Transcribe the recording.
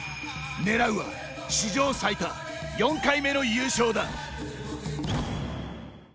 狙うは、史上最多４回目の優勝だ。